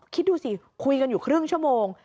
คิดดูสิคุยกันอยู่ครึ่งชั่วโมง